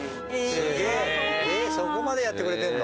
そこまでやってくれてるの？